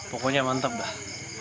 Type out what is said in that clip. pokoknya mantap dah